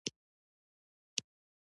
ملګری د مینې شفاف دریاب دی